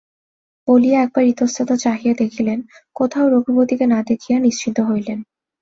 বলিয়া একবার ইতস্তত চাহিয়া দেখিলেন, কোথাও রঘুপতিকে না দেখিয়া নিশ্চিন্ত হইলেন।